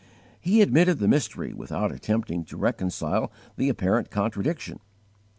He admitted the mystery without attempting to reconcile the apparent contradiction.